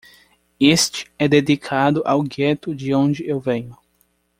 Este é dedicado ao gueto de onde eu venho.